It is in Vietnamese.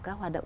các hoạt động